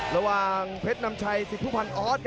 ระหว่างเพชรน้ำชัย๑๐ผู้พันออส